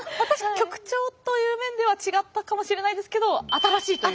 曲調という面では違ったかもしれないんですけど新しいという。